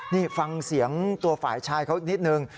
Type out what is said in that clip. นี่ฟังเสียงตัวฝ่ายชายเขานิดนึง